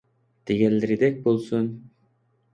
دېگەنلىرىدەك بولسۇن!